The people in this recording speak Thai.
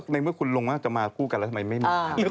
ในเมื่อคุณลงมากจะมาคู่กันแล้วทำไมไม่มา